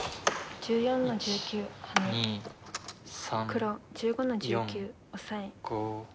黒１５の十九オサエ。